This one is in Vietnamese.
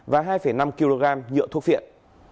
và hai năm kg nhựa thuốc phiện